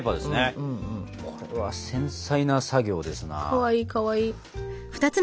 かわいいかわいい。